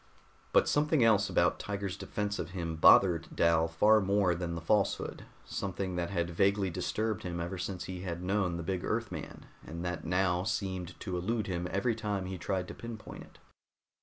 But something else about Tiger's defense of him bothered Dal far more than the falsehood something that had vaguely disturbed him ever since he had known the big Earthman, and that now seemed to elude him every time he tried to pinpoint it.